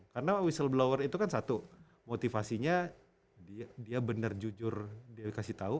karena whistleblower itu kan satu motivasinya dia benar jujur dia kasih tau